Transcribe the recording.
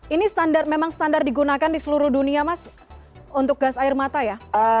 ini memang standar digunakan di seluruh dunia mas untuk gas air mata ya